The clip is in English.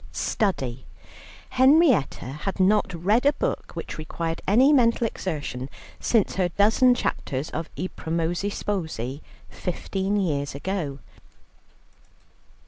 Study. Henrietta had not read a book which required any mental exertion since her dozen chapters of "I Promessi Sposi," fifteen years ago.